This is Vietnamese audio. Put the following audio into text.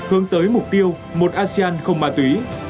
hướng tới mục tiêu một asean không ma túy